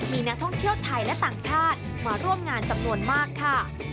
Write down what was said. มีนักท่องเที่ยวไทยและต่างชาติมาร่วมงานจำนวนมากค่ะ